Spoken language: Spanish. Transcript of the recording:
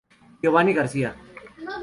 Giovanny Garcia.